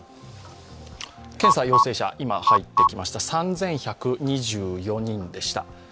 検査陽性者、今、入ってきました、３１２４人でした。